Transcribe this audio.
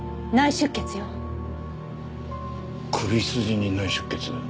首筋に内出血。